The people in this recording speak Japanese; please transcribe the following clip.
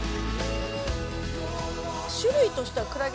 種類としてはクラゲ自体は。